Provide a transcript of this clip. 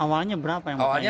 awalnya berapa yang berharga